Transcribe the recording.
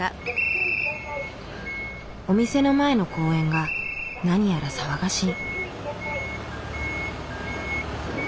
お店の前の公園が何やら騒がしい。